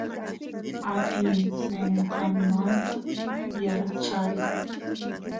atin senqanmanta yaarchay